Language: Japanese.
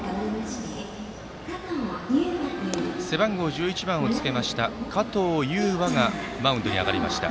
背番号１１番をつけた加藤悠羽がマウンドに上がりました。